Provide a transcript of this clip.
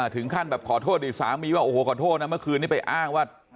ถึงขั้นแบบขอโทษอีกสามีว่าโอ้โหขอโทษนะเมื่อคืนนี้ไปอ้างว่า